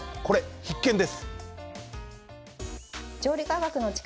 必見です。